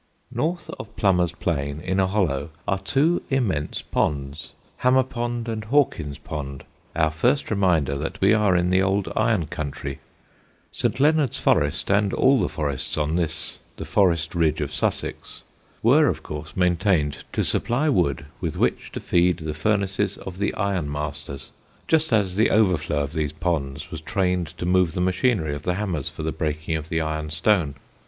North of Plummer's Plain, in a hollow, are two immense ponds, Hammer Pond and Hawkin's Pond, our first reminder that we are in the old iron country. St. Leonard's Forest, and all the forests on this the forest ridge of Sussex, were of course maintained to supply wood with which to feed the furnaces of the iron masters just as the overflow of these ponds was trained to move the machinery of the hammers for the breaking of the iron stone.